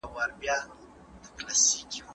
د فشار چاپېریال د اختلال د زیاتېدو سبب کېدای شي.